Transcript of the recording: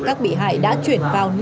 các bị hại đã chuyển vào